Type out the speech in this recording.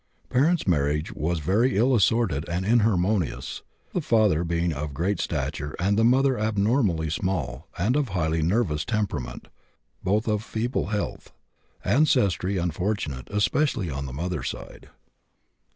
Parents' marriage was very ill assorted and inharmonious, the father being of great stature and the mother abnormally small and of highly nervous temperament, both of feeble health. Ancestry unfortunate, especially on mother's side.